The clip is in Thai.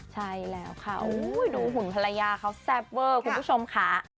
ใช่แล้วค่ะดูหุ่นภรรยาเขาแซ่บเวอร์คุณผู้ชมค่ะ